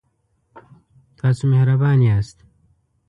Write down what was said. تاسو مهربان یاست